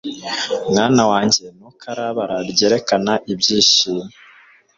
mwana wanjye ni uko ari abara ryerekana ibyishimo